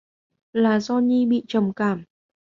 Là do Nhi bị trầm cảm